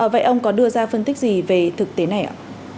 vậy ông có đưa ra phân tích gì về thực tế này ạ